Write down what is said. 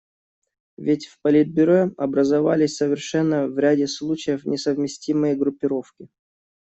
Ведь в Политбюро образовались совершенно в ряде случаев несовместимые группировки.